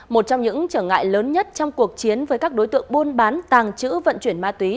một trong những trở ngại lớn nhất trong cuộc chiến với các đối tượng buôn bán tàng trữ vận chuyển ma túy